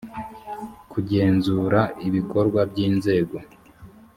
kugenzura ibikorwa by inzego